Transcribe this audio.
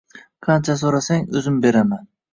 — Qancha so’rasang, o’zim beraman!